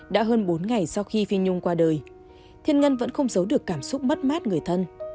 đã hơn bốn ngày sau khi phi nhung qua đời thiên nhân vẫn không giấu được cảm xúc mất mát người thân